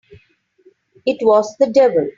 It was the devil!